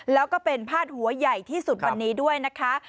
แล้วก็เป็นพาดหัวใหญ่ที่สุดวันนี้ด้วยนะคะ